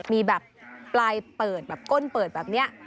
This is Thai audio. มีแบบปลายเปิดแบบก้นเปิดแบบนี้